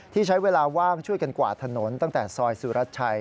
ที่ใช้เวลาว่างช่วยกันกวาดถนนตั้งแต่ซอยสุรชัย